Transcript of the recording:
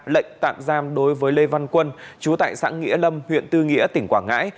lệnh tạm giam đối với lê văn quân chú tại xã nghĩa lâm huyện tư nghĩa tỉnh quảng ngãi